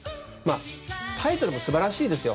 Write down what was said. タイトルも素晴らしいですよ。